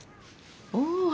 お！